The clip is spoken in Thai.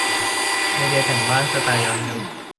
ไอเดียแต่งบ้านสไตล์ย้อนยุค